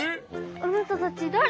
あなたたちだれ？